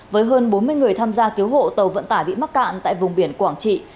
với hơn bốn mươi người tham gia cứu hộ tàu vận tải bị mắc cạn tại vùng biển quảng trị